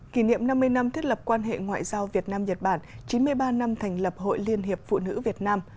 kỷ niệm năm mươi năm thiết lập quan hệ ngoại giao việt nam nhật bản chín mươi ba năm thành lập hội liên hiệp phụ nữ việt nam